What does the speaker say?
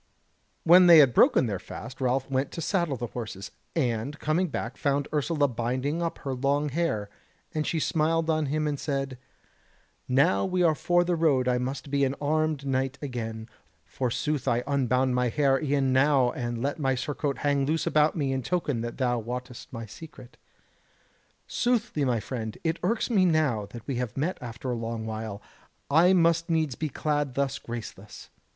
When they had broken their fast Ralph went to saddle the horses, and coming back found Ursula binding up her long hair, and she smiled on him and said: "Now we are for the road I must be an armed knight again: forsooth I unbound my hair e'en now and let my surcoat hang loose about me in token that thou wottest my secret. Soothly, my friend, it irks me that now we have met after a long while, I must needs be clad thus graceless.